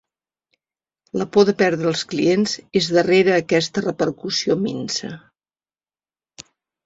La por de perdre els clients és darrere aquesta repercussió minsa.